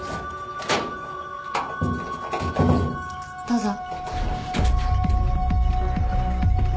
どうぞ。